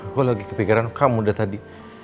gue lagi kepikiran kamu udah tadi